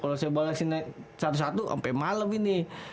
kalau saya balesin satu satu sampai malem ini